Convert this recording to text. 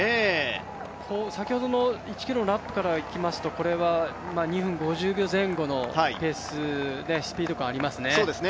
先ほどの１ｋｍのラップからいきますと２分５０秒前後のペースでスピード感がありますね。